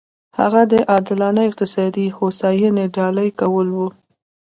هغه د عادلانه اقتصادي هوساینې ډالۍ کول و.